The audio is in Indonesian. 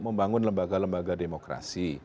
membangun lembaga lembaga demokrasi